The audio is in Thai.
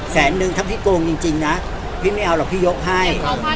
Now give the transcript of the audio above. แสนนึงถ้าพี่โกงจริงนะพี่ไม่เอาหรอกพี่ยกให้